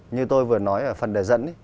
như tôi vừa nói ở phần đề dẫn